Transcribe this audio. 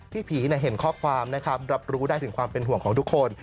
พี่ผีเห็นข้อความนะครับรับรู้ได้ถึงความเป็นห่วงของทุกคน